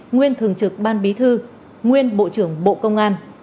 nguyên thường trực ban bí thư nguyên bộ trưởng bộ công an